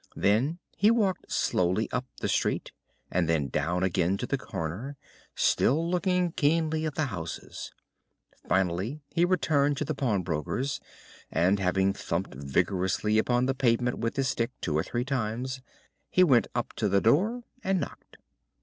Then he walked slowly up the street, and then down again to the corner, still looking keenly at the houses. Finally he returned to the pawnbroker's, and, having thumped vigorously upon the pavement with his stick two or three times, he went up to the door and knocked.